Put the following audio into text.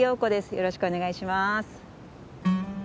よろしくお願いします。